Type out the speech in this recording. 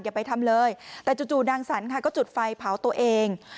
อย่าไปทำเลยแต่จู่นางสรรค่ะก็จุดไฟเผาตัวเอง